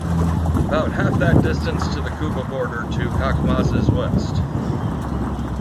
About half that distance to the Quba border to Khachmaz's west.